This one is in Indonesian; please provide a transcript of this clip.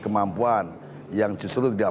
kemampuan yang justru tidak